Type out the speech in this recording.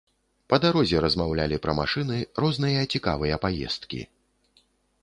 Па дарозе размаўлялі пра машыны, розныя цікавыя паездкі.